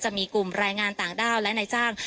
จะมีกลุ่มแรงงานต่างด้าวและนายจ้าง